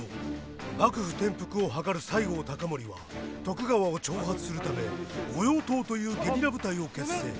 幕府転覆を謀る西郷隆盛は徳川を挑発するため御用盗というゲリラ部隊を結成。